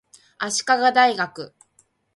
足利大学